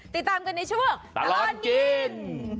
ติดตามกันในช่วงตลอดกิน